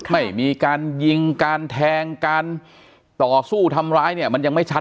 ไม่มีการยิงการแทงการต่อสู้ทำร้ายเนี่ยมันยังไม่ชัด